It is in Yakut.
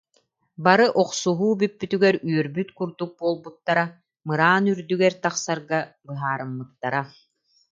Бары охсуһуу бүппүтүгэр үөрбүт курдук буолбуттара, мыраан үрдүгэр тахсарга быһаарыммыттара